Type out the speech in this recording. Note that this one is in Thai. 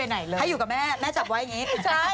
ให้อยู่กับแม่แม่จับไว้อย่างนี้